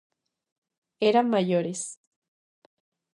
Eran maiores.